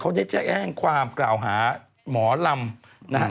เค้าจะแอ้งความกล่าวหาร์หมอรัมนะฮะ